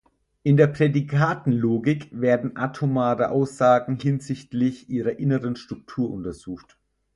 In der Prädikatenlogik werden atomare Aussagen hinsichtlich ihrer inneren Struktur untersucht.